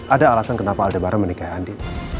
ada alasan kenapa aldebaran menikah andi